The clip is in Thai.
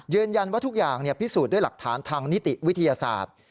ทุกอย่างพิสูจน์ด้วยหลักฐานทางนิติวิทยาศาสตร์